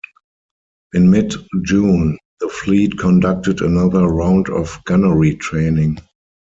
In mid-June, the fleet conducted another round of gunnery training.